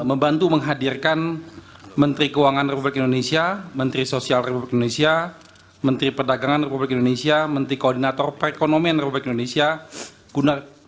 membantu menghadirkan menteri keuangan republik indonesia menteri sosial republik indonesia menteri perdagangan republik indonesia menteri koordinator perekonomian republik indonesia gunar